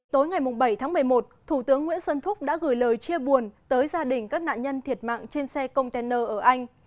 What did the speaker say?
tối ngày bảy tháng một mươi một thủ tướng nguyễn xuân phúc đã gửi lời chia buồn tới gia đình các nạn nhân thiệt mạng trên xe container ở anh